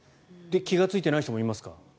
気がついていない人もいますか？